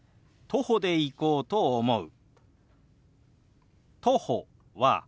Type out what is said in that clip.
「徒歩で行こうと思う」。